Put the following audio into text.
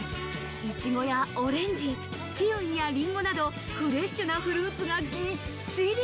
イチゴやオレンジ、キウイやリンゴなどフレッシュなフルーツがぎっしり。